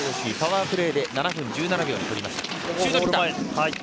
パワープレーで７分１７秒。